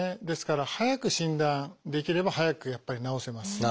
ですから早く診断できれば早くやっぱり治せます。